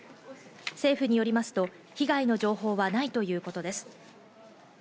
政府によりますと被害の情報はないということです。